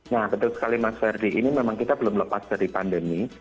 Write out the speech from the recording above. nah betul sekali mas ferdi ini memang kita belum lepas dari pandemi